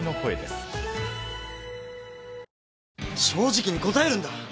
正直に答えるんだ！